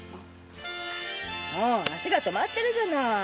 もう足が止まってるじゃない。